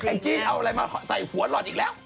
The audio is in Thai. งจี้เอาอะไรมาใส่หัวหลอดอีกแล้ว